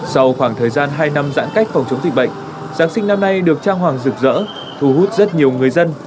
sau khoảng thời gian hai năm giãn cách phòng chống dịch bệnh giáng sinh năm nay được trang hoàng rực rỡ thu hút rất nhiều người dân